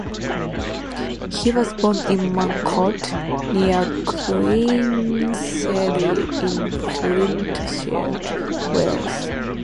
He was born in Mancot, near Queensferry in Flintshire, Wales.